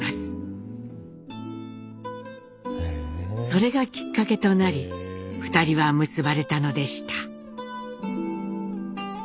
それがきっかけとなり２人は結ばれたのでした。